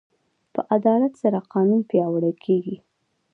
په عدالت سره قانون پیاوړی کېږي.